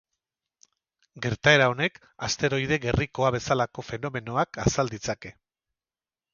Gertaera honek asteroide gerrikoa bezalako fenomenoak azal ditzake.